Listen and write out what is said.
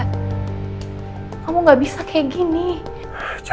tentu saja status anda